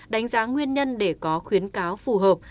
đánh giá nguyên nhân để có khuyến cáo phù hợp